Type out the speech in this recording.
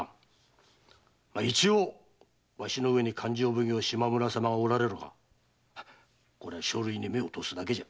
まあ一応わしの上に勘定奉行・島村様がおられるが書類に目を通すだけじゃ。